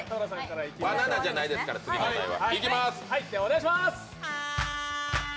バナナじゃないですから、次のお題は。